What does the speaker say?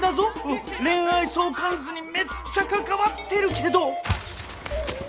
うん恋愛相関図にめっちゃ関わってるけど。